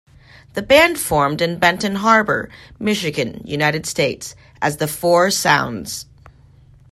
The band formed in Benton Harbor, Michigan, United States, as the Four Sounds.